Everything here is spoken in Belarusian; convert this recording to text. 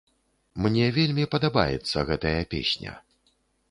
Мне вельмі падабаецца гэтая песня.